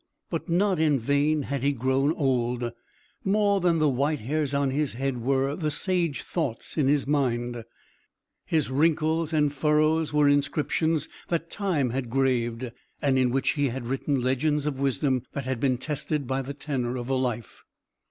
But not in vain had he grown old; more than the white hairs on his head were the sage thoughts in his mind; his wrinkles and furrows were inscriptions that Time had graved, and in which he had written legends of wisdom that had been tested by the tenor of a life.